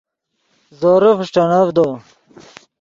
زورے فݰٹینڤدو